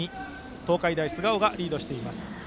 東海大菅生がリードしています。